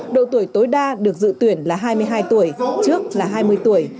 độ tuổi tối đa được dự tuyển là hai mươi hai tuổi trước là hai mươi tuổi